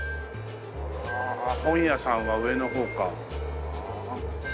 ああ本屋さんは上の方か。